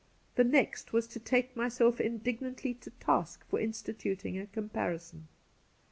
The next was to take myself in dignantly to task for instituting a comparison.